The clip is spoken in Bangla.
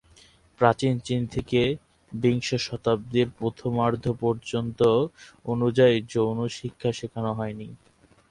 প্রাচীন চীন থেকে বিংশ শতাব্দীর প্রথমার্ধ পর্যন্ত আনুষ্ঠানিক যৌন শিক্ষা শেখানো হয়নি।